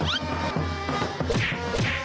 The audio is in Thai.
จะอดทางนี้